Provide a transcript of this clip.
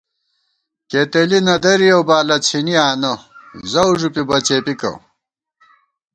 کېتېلی نہ درِیَؤ بالہ څِھنی آنہ زَؤ ݫُپِبہ څېپِکہ